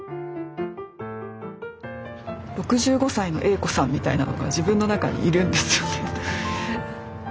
「６５歳のＡ子さん」みたいなのが自分の中にいるんですよね。